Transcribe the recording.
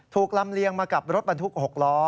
ลำเลียงมากับรถบรรทุก๖ล้อ